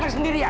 ketika di rumah